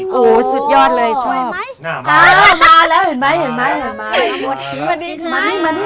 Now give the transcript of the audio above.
บอกกล้วยมาอย่างนี้เอามาให้ใครเข้าในนี่